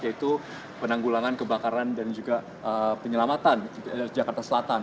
yaitu penanggulangan kebakaran dan juga penyelamatan jakarta selatan